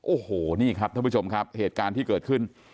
โอ้โหนี่ครับท่านผู้ชมครับเหตุการณ์ที่เกิดขึ้น